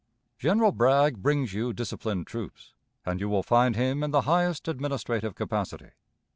General Bragg brings you disciplined troops, and you will find in him the highest administrative capacity.